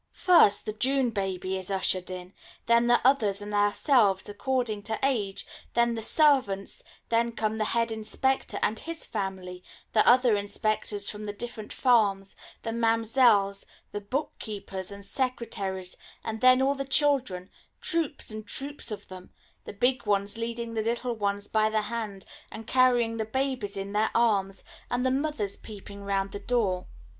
First the June baby is ushered in, then the others and ourselves according to age, then the servants, then come the head inspector and his family, the other inspectors from the different farms, the mamsells, the bookkeepers and secretaries, and then all the children, troops and troops of them the big ones leading the little ones by the hand and carrying the babies in their arms, and the mothers peeping round the door.